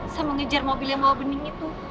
dia menghajar mobil yang bawa bening